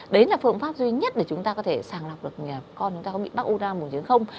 đấy là phương pháp duy nhất để chúng ta có thể sàng lọc được con chúng ta có bị bắt u năng buồn trứng không